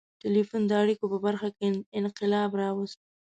• ټیلیفون د اړیکو په برخه کې انقلاب راوست.